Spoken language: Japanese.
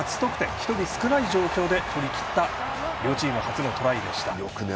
１人少ない状況で取りきった両チーム初のトライですね。